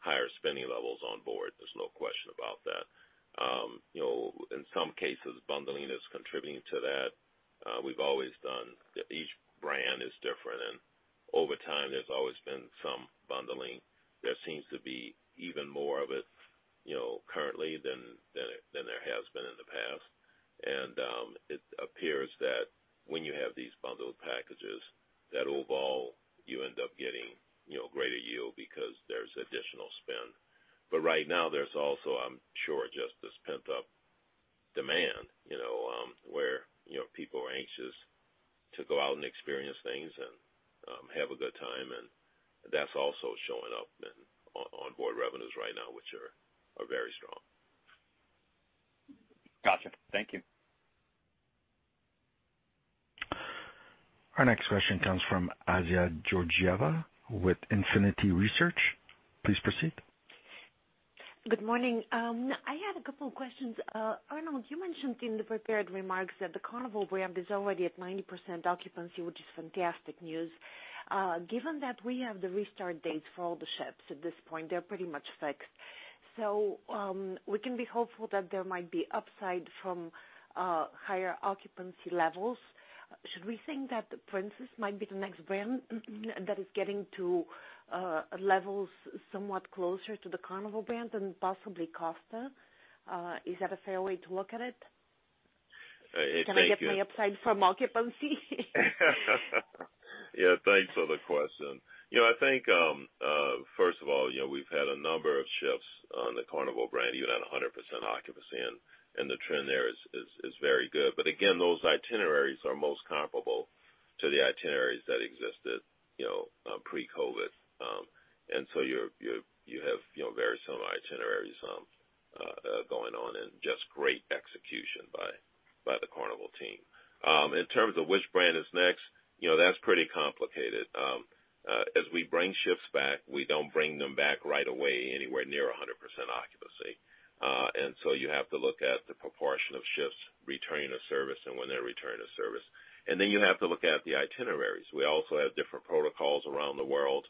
higher spending levels on board. There's no question about that. You know, in some cases, bundling is contributing to that. We've always done. Each brand is different, and over time, there's always been some bundling. There seems to be even more of it, you know, currently than there has been in the past. It appears that when you have these bundled packages, that overall you end up getting, you know, greater yield because there's additional spend. Right now, there's also, I'm sure, just this pent-up demand, you know, where people are anxious to go out and experience things and have a good time. That's also showing up in onboard revenues right now, which are very strong. Gotcha. Thank you. Our next question comes from Assia Georgieva with Infinity Research. Please proceed. Good morning. I had a couple of questions. Arnold, you mentioned in the prepared remarks that the Carnival brand is already at 90% occupancy, which is fantastic news. Given that we have the restart dates for all the ships at this point, they're pretty much fixed. We can be hopeful that there might be upside from higher occupancy levels. Should we think that Princess might be the next brand that is getting to levels somewhat closer to the Carnival brand than possibly Costa? Is that a fair way to look at it? Can I get the upside for market buoyancy? Yeah, thanks for the question. You know, I think, first of all, you know, we've had a number of shifts on the Carnival brand, even at 100% occupancy, and the trend there is very good. Again, those itineraries are most comparable to the itineraries that existed, you know, pre-COVID. You have, you know, very similar itineraries, going on and just great execution by the Carnival team. In terms of which brand is next, you know, that's pretty complicated. As we bring ships back, we don't bring them back right away anywhere near 100% occupancy. You have to look at the proportion of ships returning to service and when they return to service. You have to look at the itineraries. We also have different protocols around the world.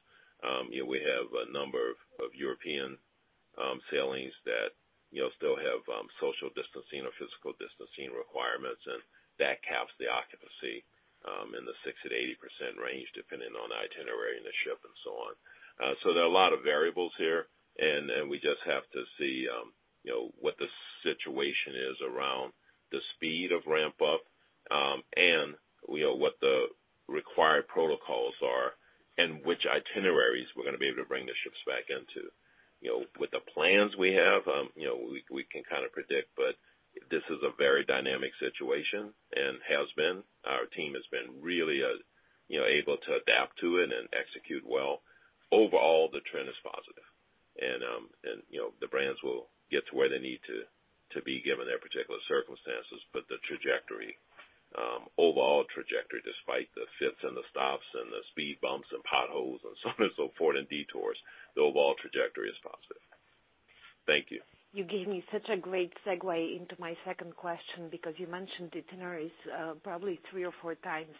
You know, we have a number of of European sailings that, you know, still have social distancing or physical distancing requirements, and that caps the occupancy in the 60%-80% range, depending on the itinerary and the ship and so on. There are a lot of variables here, and we just have to see, you know, what the situation is around the speed of ramp up, and, you know, what the required protocols are and which itineraries we're gonna be able to bring the ships back into. You know, with the plans we have, you know, we can kind of predict, but this is a very dynamic situation and has been. Our team has been really, you know, able to adapt to it and execute well. Overall, the trend is positive. You know, the brands will get to where they need to be given their particular circumstances. The overall trajectory, despite the fits and the stops and the speed bumps and potholes and so on and so forth and detours, is positive. Thank you. You gave me such a great segue into my second question because you mentioned itineraries probably three or four times.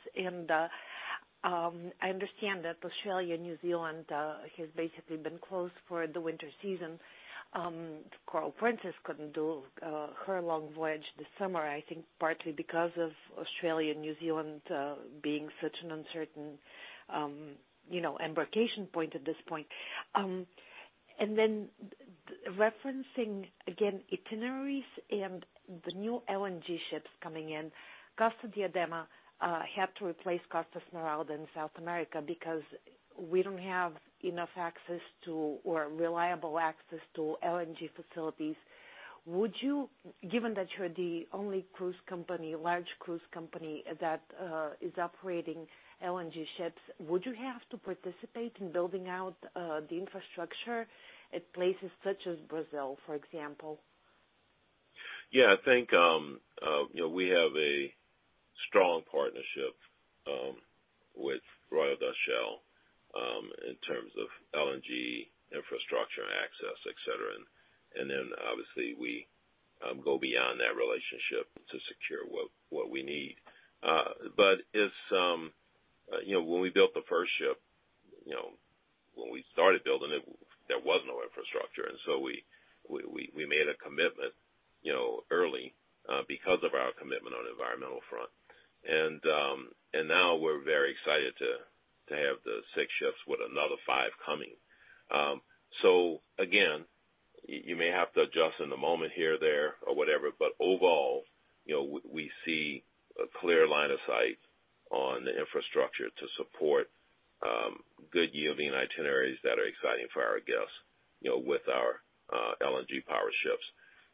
I understand that Australia, New Zealand has basically been closed for the winter season. Coral Princess couldn't do her long voyage this summer. I think partly because of Australia, New Zealand being such an uncertain you know embarkation point at this point. Referencing again itineraries and the new LNG ships coming in, Costa Diadema had to replace Costa Smeralda in South America because we don't have enough access to or reliable access to LNG facilities. Given that you're the only cruise company, large cruise company that is operating LNG ships, would you have to participate in building out the infrastructure at places such as Brazil, for example? Yeah. I think you know we have a strong partnership with Royal Dutch Shell in terms of LNG infrastructure and access, et cetera. Obviously we go beyond that relationship to secure what we need. It's you know when we built the first ship you know when we started building it there was no infrastructure. We made a commitment you know early because of our commitment on environmental front. Now we're very excited to have the six ships with another five coming. Again, you may have to adjust in the moment here, there or whatever, but overall, you know, we see a clear line of sight on the infrastructure to support good yielding itineraries that are exciting for our guests, you know, with our LNG power ships.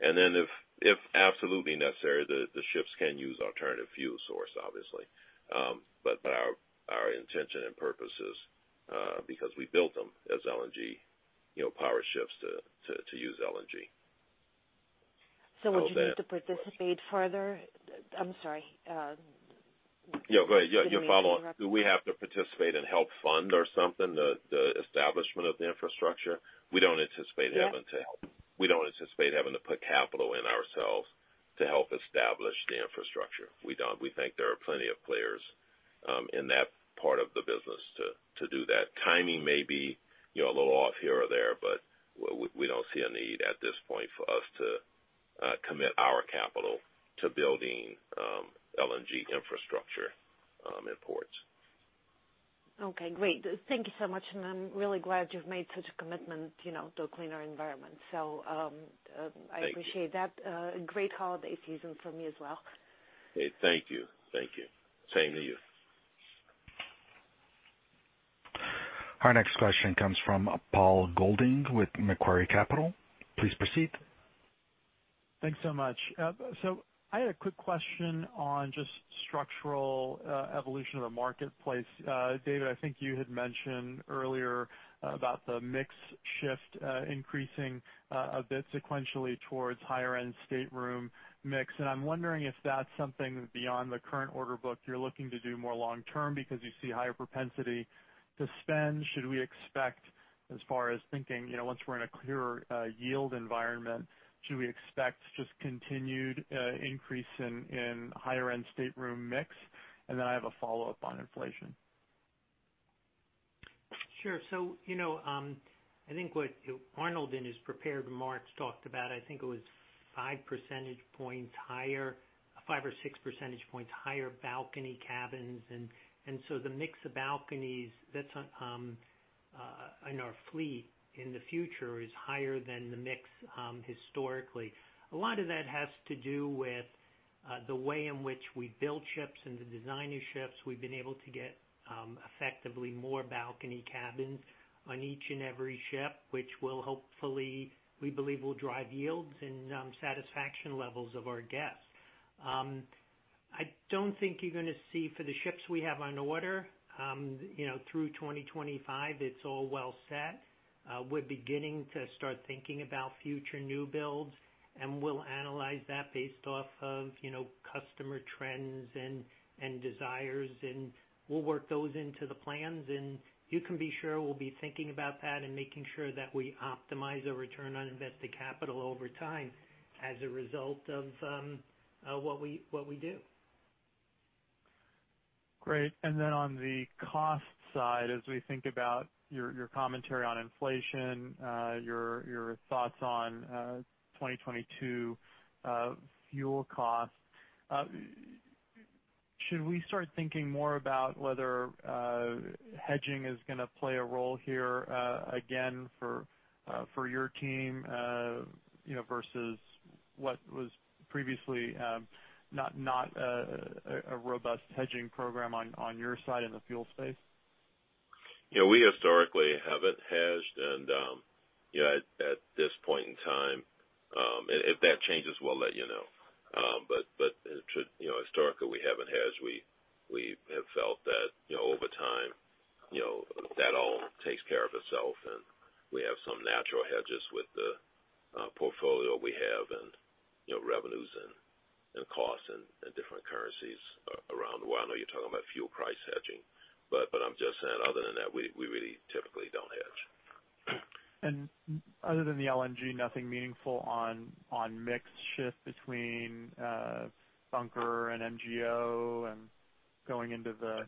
Then if absolutely necessary, the ships can use alternative fuel source, obviously. Our intention and purpose is because we built them as LNG, you know, power ships to use LNG. Would you need to participate further? I'm sorry. Yeah, go ahead. Yeah, follow. Do we have to participate and help fund or something, the establishment of the infrastructure? We don't anticipate having to help. Yes. We don't anticipate having to put capital in ourselves to help establish the infrastructure. We don't. We think there are plenty of players in that part of the business to do that. Timing may be, you know, a little off here or there, but we don't see a need at this point for us to commit our capital to building LNG infrastructure in ports. Okay, great. Thank you so much, and I'm really glad you've made such a commitment, you know, to a cleaner environment. I appreciate that. Thank you. Great holiday season from me as well. Thank you. Same to you. Our next question comes from Paul Golding with Macquarie Capital. Please proceed. Thanks so much. I had a quick question on just structural evolution of the marketplace. David, I think you had mentioned earlier about the mix shift increasing a bit sequentially towards higher end stateroom mix, and I'm wondering if that's something beyond the current order book you're looking to do more long term because you see higher propensity to spend. Should we expect as far as thinking, you know, once we're in a clearer yield environment, should we expect just continued increase in higher end stateroom mix? I have a follow-up on inflation. Sure. You know, I think what Arnold, in his prepared remarks, talked about, I think it was 5 percentage points higher, 5 or 6 percentage points higher balcony cabins. The mix of balconies in our fleet in the future is higher than the mix historically. A lot of that has to do with the way in which we build ships and the design of ships. We've been able to get effectively more balcony cabins on each and every ship, which will hopefully, we believe, drive yields and satisfaction levels of our guests. I don't think you're gonna see for the ships we have on order, you know, through 2025, it's all well set. We're beginning to start thinking about future new builds, and we'll analyze that based off of, you know, customer trends and desires, and we'll work those into the plans. You can be sure we'll be thinking about that and making sure that we optimize a return on invested capital over time as a result of what we do. Great. Then on the cost side, as we think about your commentary on inflation, your thoughts on 2022 fuel costs, should we start thinking more about whether hedging is gonna play a role here, again for your team, you know, versus what was previously not a robust hedging program on your side in the fuel space? You know, we historically haven't hedged. You know, at this point in time, if that changes we'll let you know. You know, historically, we haven't hedged. We have felt that, you know, over time, you know, that all takes care of itself, and we have some natural hedges with the portfolio we have and, you know, revenues and costs and different currencies around the world. I know you're talking about fuel price hedging, but I'm just saying other than that, we really typically don't hedge. Other than the LNG, nothing meaningful on mix shift between bunker and MGO and going into the-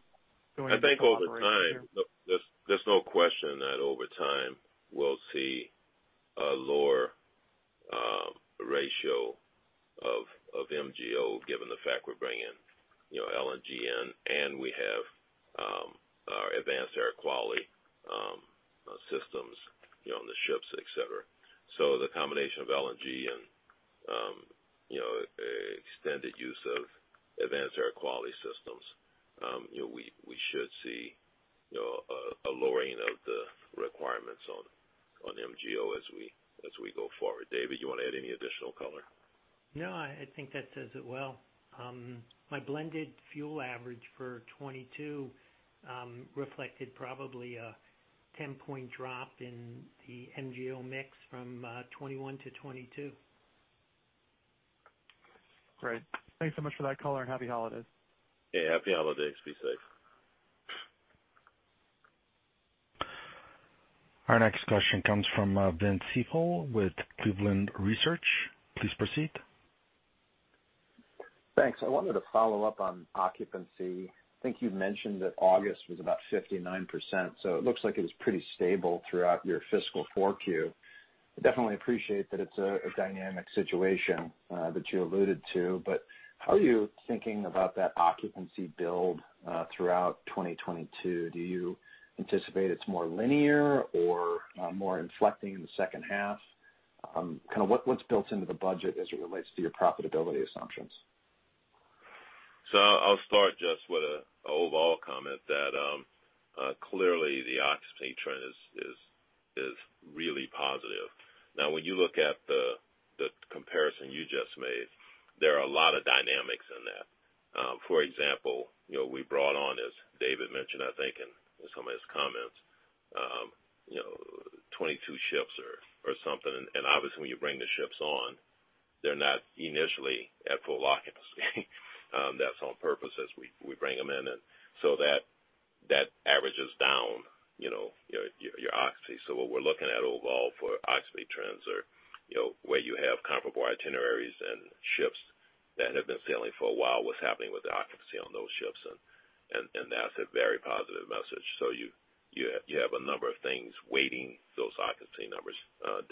I think over time. There's no question that over time, we'll see a lower ratio of MGO, given the fact we're bringing, you know, LNG in, and we have our advanced air quality systems, you know, on the ships, et cetera. The combination of LNG and extended use of advanced air quality systems, we should see a lowering of the requirements on MGO as we go forward. David, you wanna add any additional color? No, I think that says it well. My blended fuel average for 2022 reflected probably a 10-point drop in the MGO mix from 2021 to 2022. Great. Thanks so much for that color, and happy holidays. Yeah, happy holidays. Be safe. Our next question comes from Vince Ciepiel with Cleveland Research. Please proceed. Thanks. I wanted to follow up on occupancy. I think you've mentioned that August was about 59%, so it looks like it was pretty stable throughout your fiscal 4Q. I definitely appreciate that it's a dynamic situation that you alluded to, but how are you thinking about that occupancy build throughout 2022? Do you anticipate it's more linear or more inflecting in the second half? Kind of what's built into the budget as it relates to your profitability assumptions? I'll start just with a overall comment that, clearly the occupancy trend is really positive. Now when you look at the comparison you just made, there are a lot of dynamics in that. For example, you know, we brought on, as David mentioned, I think in some of his comments, you know, 22 ships or something. Obviously, when you bring the ships on, they're not initially at full occupancy. That's on purpose as we bring them in. That averages down, you know, your occupancy. What we're looking at overall for occupancy trends are, you know, where you have comparable itineraries and ships that have been sailing for a while, what's happening with the occupancy on those ships? That's a very positive message. You have a number of things weighing those occupancy numbers.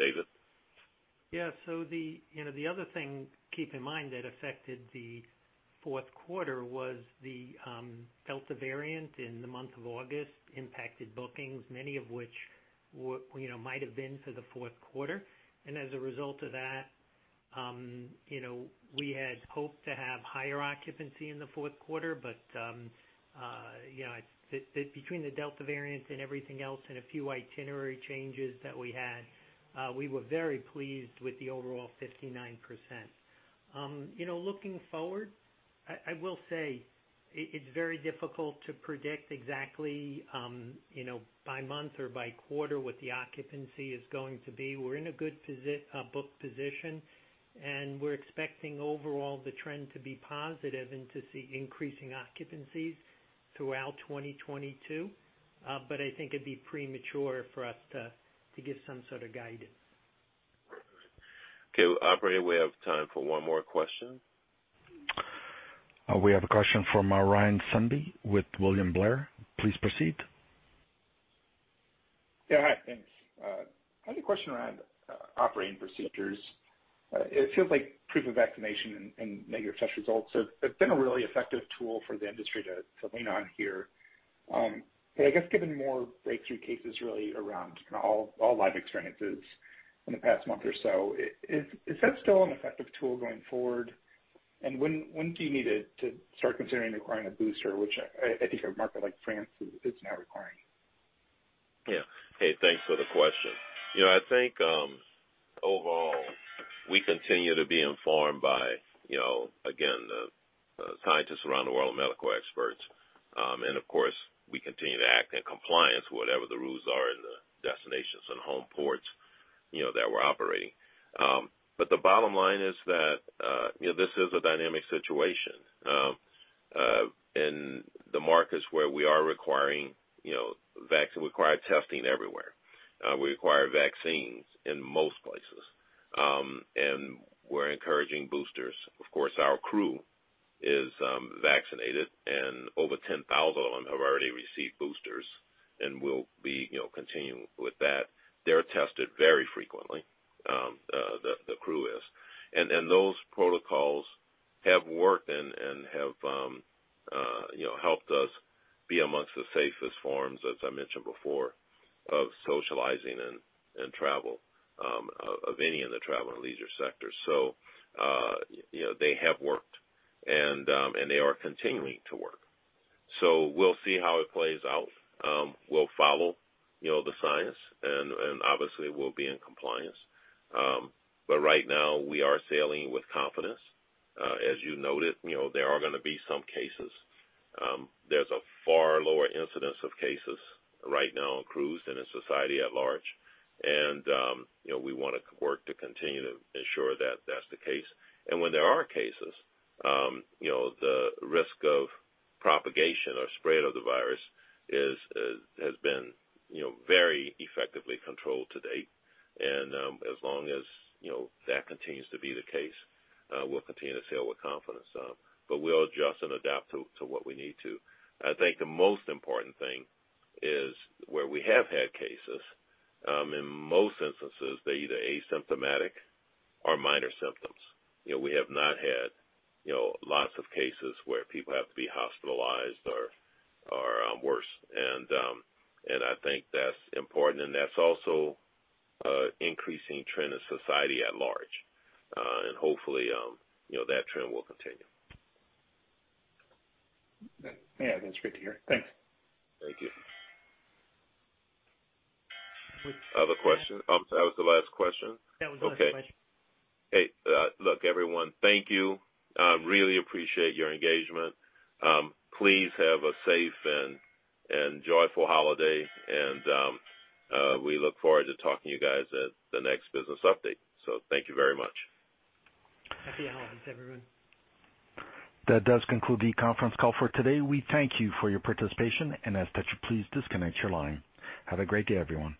David? Yeah. The other thing, keep in mind, that affected the Q4 was the Delta variant in the month of August impacted bookings, many of which were, you know, might have been for the Q4. As a result of that, you know, we had hoped to have higher occupancy in the Q4, but, you know, between the Delta variant and everything else and a few itinerary changes that we had, we were very pleased with the overall 59%. You know, looking forward, I will say it's very difficult to predict exactly, you know, by month or by quarter what the occupancy is going to be. We're in a good booking position, and we're expecting overall the trend to be positive and to see increasing occupancies throughout 2022. I think it'd be premature for us to give some sort of guidance. Okay. Operator, we have time for one more question. We have a question from Ryan Sundby with William Blair. Please proceed. Yeah. Hi, thanks. I had a question around operating procedures. It feels like proof of vaccination and negative test results have been a really effective tool for the industry to lean on here. But I guess given more breakthrough cases really around kind of all live experiences in the past month or so, is that still an effective tool going forward? And when do you need to start considering requiring a booster, which I think a market like France is now requiring? Yeah. Hey, thanks for the question. You know, I think overall we continue to be informed by, you know, again, the scientists around the world, medical experts. Of course, we continue to act in compliance with whatever the rules are in the destinations and home ports, you know, that we're operating. The bottom line is that, you know, this is a dynamic situation. In the markets where we are requiring vaccination, we require testing everywhere. We require vaccines in most places. We're encouraging boosters. Of course, our crew is vaccinated, and over 10,000 of them have already received boosters and will be, you know, continuing with that. They're tested very frequently, the crew is. Those protocols have worked and have helped us be amongst the safest forms, as I mentioned before, of socializing and travel of any in the travel and leisure sector. They have worked and they are continuing to work. We'll see how it plays out. We'll follow the science and obviously we'll be in compliance. But right now we are sailing with confidence. As you noted, there are gonna be some cases. There's a far lower incidence of cases right now on cruise than in society at large. We wanna work to continue to ensure that that's the case. When there are cases, you know, the risk of propagation or spread of the virus has been very effectively controlled to date. As long as, you know, that continues to be the case, we'll continue to sail with confidence. But we'll adjust and adapt to what we need to. I think the most important thing is where we have had cases, in most instances, they're either asymptomatic or minor symptoms. You know, we have not had, you know, lots of cases where people have to be hospitalized or worse. And I think that's important, and that's also an increasing trend in society at large. Hopefully, you know, that trend will continue. Yeah, that's great to hear. Thanks. Thank you. Other questions? That was the last question? That was the last question. Okay. Hey, look, everyone, thank you. Really appreciate your engagement. Please have a safe and joyful holiday, and we look forward to talking to you guys at the next business update. Thank you very much. Happy holidays, everyone. That does conclude the conference call for today. We thank you for your participation. As such, please disconnect your line. Have a great day, everyone.